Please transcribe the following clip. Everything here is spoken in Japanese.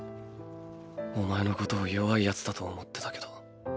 お前のことを弱いヤツだと思ってたけど。